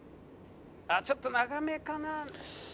ちょっと長めかな。